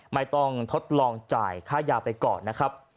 ไม่ต้องทดลองจ่ายค่ายาไปก่อนนะครับ